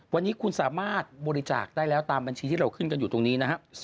วันนี้คุณสามารถบริจาคได้แล้วตามบัญชีที่เราขึ้นกันอยู่ตรงนี้นะครับ